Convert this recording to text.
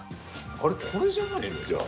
あれこれじゃないの？